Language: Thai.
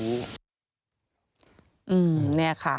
อืมเนี่ยค่ะ